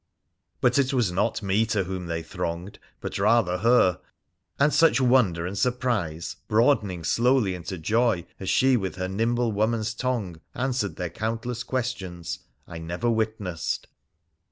But it was not me to whom they thronged, but rather her ; and such wonder and surprise, broadening slowly in joy as she, with her nimble woman's tongue, answered their countless questions, I never witnessed.